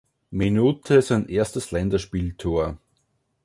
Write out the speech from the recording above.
Minute sein erstes Länderspieltor.